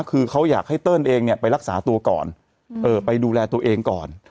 คือเขาอยากให้เติ้ลเองเนี่ยไปรักษาตัวก่อนไปดูแลตัวเองก่อน